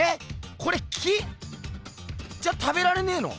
これ木？じゃ食べられねぇの？